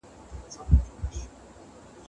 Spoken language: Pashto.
پارلمان وارداتي تعرفه نه زیاتوي.